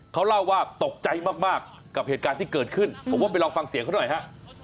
เขาเล่าว่าตกใจมากกับเหตุการณ์ที่เกิดขึ้นผมว่าไปลองฟังเสียงเขาหน่อยฮะ